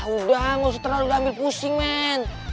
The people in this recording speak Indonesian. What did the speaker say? udah gak usah terlalu diambil pusing men